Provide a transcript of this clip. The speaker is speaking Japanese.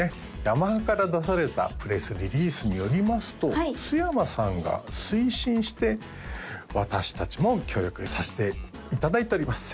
ヤマハから出されたプレスリリースによりますと須山さんが推進して私達も協力させていただいております